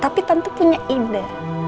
tapi tante punya ide